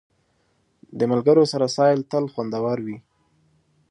د ملګرو سره سیل تل خوندور وي.